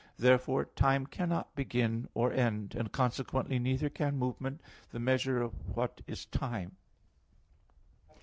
Therefore time cannot begin or end, and consequently neither can movement, the measure of what is time.